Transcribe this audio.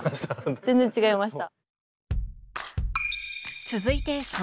全然違いました。